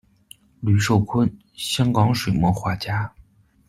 吕寿琨，香港水墨画家。